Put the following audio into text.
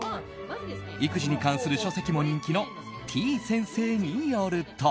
育児に関する書籍も人気のてぃ先生によると。